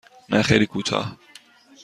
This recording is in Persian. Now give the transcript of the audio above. نه خیلی کوتاه.